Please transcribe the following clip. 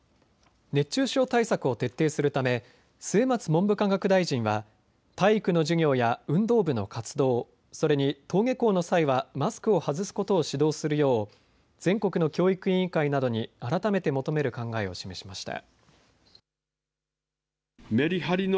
熱中症対策を徹底するため末松文部科学大臣は体育の授業や運動部の活動、それに登下校の際はマスクを外すことを指導するよう全国の教育委員会などに改めて求める考えを示しました。